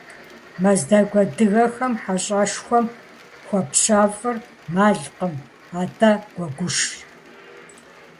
Мэздэгу адыгэхэм хьэщӏэшхуэм хуапщэфӏыр мэлкъым, атӏэ гуэгушщ.